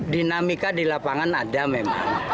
dinamika di lapangan ada memang